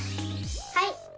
はい！